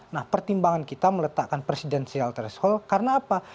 nah pertimbangan kita meletakkan presidensial threshold karena apa